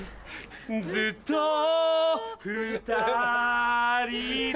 ずっと２人で